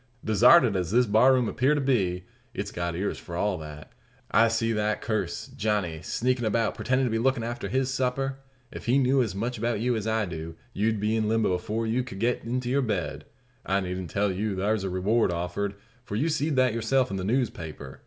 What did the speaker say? "Desarted as this bar room appear to be, it's got ears for all that. I see that curse, Johnny, sneakin' about, pretendin' to be lookin' after his supper. If he knew as much about you as I do, you'd be in limbo afore you ked get into your bed. I needn't tell you thar's a reward offered; for you seed that yourself in the newspaper.